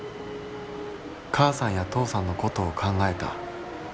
「母さんや父さんのことを考えた。